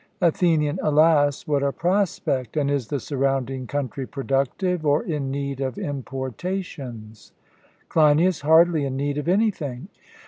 ATHENIAN: Alas! what a prospect! And is the surrounding country productive, or in need of importations? CLEINIAS: Hardly in need of anything.